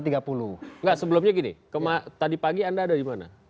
enggak sebelumnya gini tadi pagi anda ada dimana